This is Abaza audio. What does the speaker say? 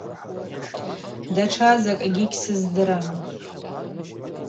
Датша закӏгьи гьсыздырам.